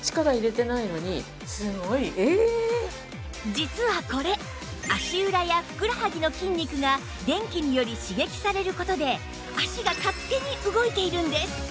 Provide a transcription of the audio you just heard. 実はこれ足裏やふくらはぎの筋肉が電気により刺激される事で脚が勝手に動いているんです